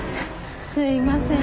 すいません。